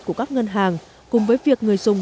của các ngân hàng cùng với việc người dùng